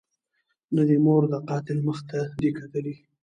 نه دي مور د قاتل مخ ته دي کتلي